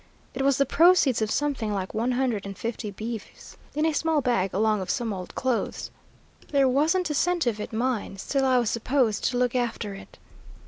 It was the proceeds of something like one hundred and fifty beeves, in a small bag along of some old clothes. There wasn't a cent of it mine, still I was supposed to look after it.